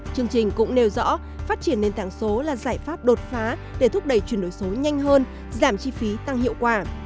chương trình cũng nêu rõ phát triển nền tảng số là giải pháp đột phá để thúc đẩy chuyển đổi số nhanh hơn giảm chi phí tăng hiệu quả